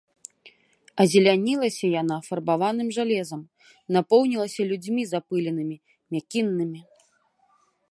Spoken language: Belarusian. Азелянілася яна фарбаваным жалезам, напоўнілася людзьмі запыленымі, мякіннымі.